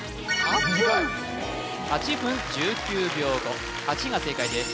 ８分１９秒後８が正解です